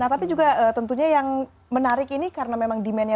nah tapi juga tentunya yang menarik ini karena memang demandnya